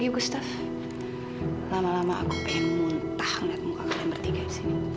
gustaf bangun gustaf